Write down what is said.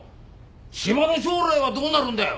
島の将来はどうなるんだよ。